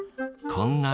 こんな